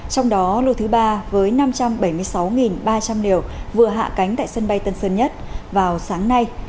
trong đó lô thứ ba với năm trăm bảy mươi sáu ba trăm linh liều vừa hạ cánh tại sân bay tân sơn nhất vào sáng nay